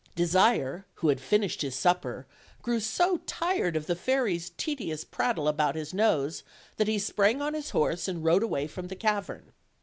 Desire, who had finished his supper, grew so tired of the fairy's tedious prattle about his nose that he sprang on his horse and rode away from the cavern.